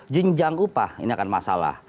jinjang upah ini akan masalah